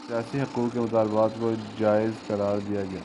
سیاسی حقوق کے مطالبات کوجائز قرار دیا گیا